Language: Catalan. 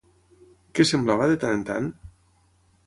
Què semblava de tant en tant?